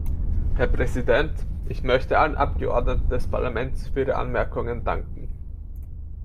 Herr Präsident, ich möchte allen Abgeordneten des Parlaments für Ihre Anmerkungen danken.